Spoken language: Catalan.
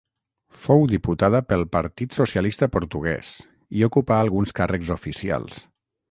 Fou diputada pel Partit Socialista Portuguès i ocupà alguns càrrecs oficials.